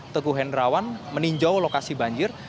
teguh hendrawan meninjau lokasi banjir